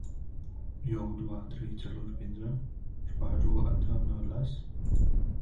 They speak of a single, wise, all-powerful chieftain with the powers of a wizard.